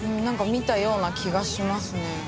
なんか見たような気がしますね。